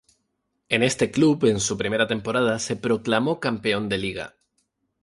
En este club, en su primera temporada, se proclamó campeón de Liga.